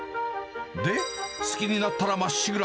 で、好きになったらまっしぐら。